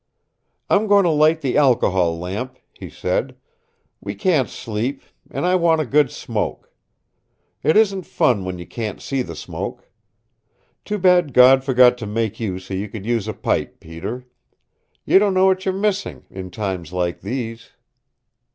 "I'm going to light the alcohol lamp," he said. "We can't sleep. And I want a good smoke. It isn't fun when you can't see the smoke. Too bad God forgot to make you so you could use a pipe, Peter. You don't know what you are missing in times like these."